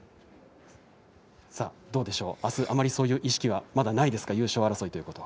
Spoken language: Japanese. あす、あまりそういう意識はまだないですか優勝争いということは。